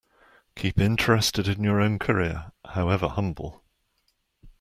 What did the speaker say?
Keep interested in your own career, however humble